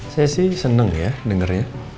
saya sih seneng ya dengernya